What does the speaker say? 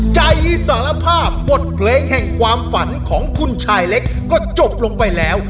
สารภาพบทเพลงแห่งความฝันของคุณชายเล็กก็จบลงไปแล้ว